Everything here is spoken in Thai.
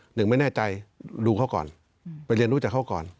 หนึ่งไม่แน่ใจดูเขาก่อนไปเรียนรู้จากเขาก่อน